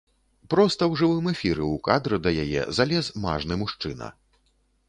Проста ў жывым эфіры ў кадр да яе залез мажны мужчына.